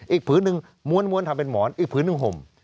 ผืนหนึ่งม้วนทำเป็นหมอนอีกผืนหนึ่งห่ม